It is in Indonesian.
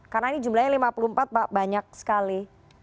karena ini jumlahnya lima puluh empat pak banyak sekali